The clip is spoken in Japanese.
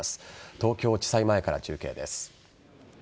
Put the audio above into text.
東京地裁前から中継です。